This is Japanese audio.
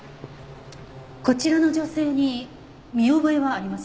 こちらの女性に見覚えはありませんか？